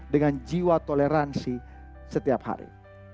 dengan jiwa toleransi setiap hari